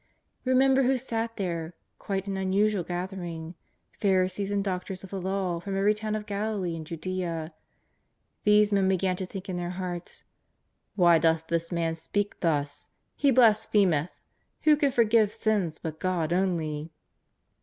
Remember who sat there, quite an unusual gathering, Pharisees and doc tors of the Law from every town of Galilee and Judea. These men began to think in their hearts: " Why doth this Man speak thus ?'' He blasphemeth. Who can forgive sins but God only